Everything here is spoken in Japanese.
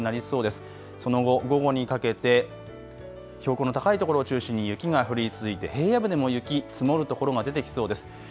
その後、午後にかけて標高の高いところを中心に雪が降り続いて平野部でも雪、積もる所が出てきそうです。